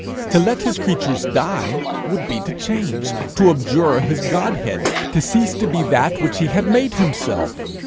To let his creatures die would be to change, to abjure his Godhood, to cease to be that which he had made himself.